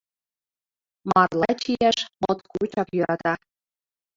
Марла чияш моткочак йӧрата.